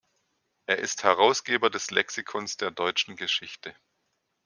Er ist Herausgeber des "„Lexikons der deutschen Geschichte.